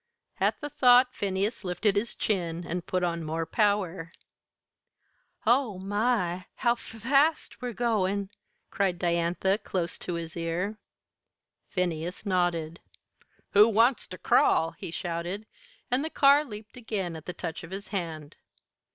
At the thought Phineas lifted his chin and put on more power. "Oh, my! How f fast we're goin'!" cried Diantha, close to his ear. Phineas nodded. "Who wants ter crawl?" he shouted; and the car leaped again at the touch of his hand.